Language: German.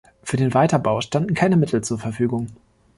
Für den Weiterbau standen keine Mittel zur Verfügung.